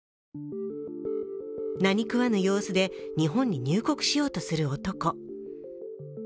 何食わぬ様子で日本に入国しようとする男。